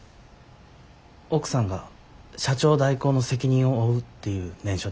奥さんが社長代行の責任を負うっていう念書です。